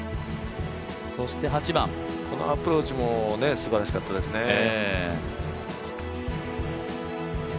そして、８番、このアプローチもすばらしかったですね。